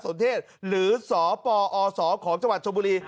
นเทศหรือสปอศของจังหวัดชมบุรี